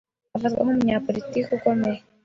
Afatwa nkumunyapolitiki ukomeye.